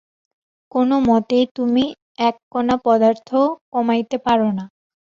কোনমতেই তুমি এক কণা পদার্থ কমাইতে পার না।